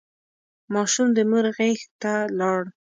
ماشوم د مور غېږ ته لاړ.